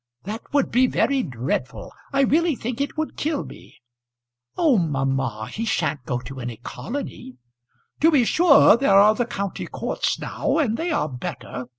That would be very dreadful. I really think it would kill me." "Oh! mamma, he sha'n't go to any colony." "To be sure there are the county courts now, and they are better.